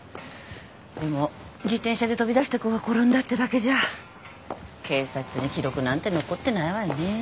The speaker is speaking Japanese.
でも自転車で飛び出した子が転んだってだけじゃ警察に記録なんて残ってないわよねぇ。